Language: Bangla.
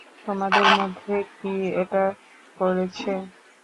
তোমাদের মধ্যে কে এটা করেছে?